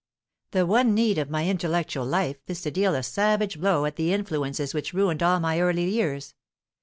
The one need of my intellectual life is to deal a savage blow at the influences which ruined all my early years.